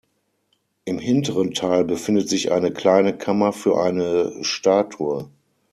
Im hinteren Teil befindet sich eine kleine Kammer für eine Statue.